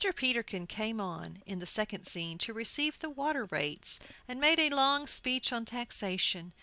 Peterkin came on in the second scene to receive the water rates, and made a long speech on taxation.